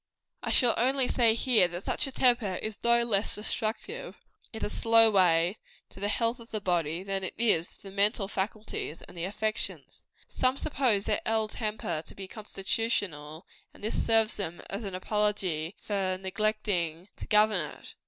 I shall only say here, that such a temper is no less destructive in a slow way to the health of the body, than it is to the mental faculties and the affections. Some suppose their ill temper to be constitutional, and this serves them as an apology for neglecting to govern it.